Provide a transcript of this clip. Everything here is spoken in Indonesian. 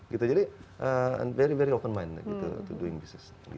gitu jadi very very open mind gitu to doing business